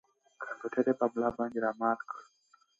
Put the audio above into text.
کمپیوټر یې په ملا باندې را مات کړ.